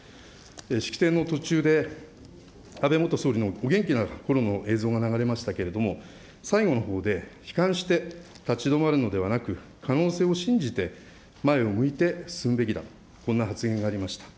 式典の途中で、安倍元総理のお元気なころの映像も流れましたけれども、最後のほうで、悲観して立ち止まるのではなく、可能性を信じて、前を向いて進むべきだ、こんな発言がありました。